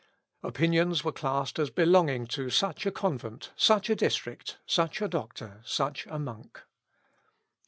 Opinions were classed as belonging to such a convent, such a district, such a doctor, such a monk.